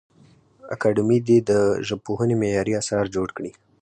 اکاډمي دي د ژبپوهنې معیاري اثار جوړ کړي.